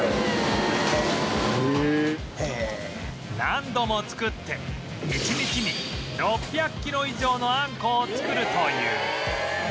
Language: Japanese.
何度も作って１日に６００キロ以上のあんこを作るという